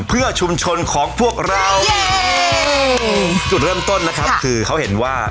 เพื่อชุมชนของพวกเราจุดเริ่มต้นนะครับคือเขาเห็นว่า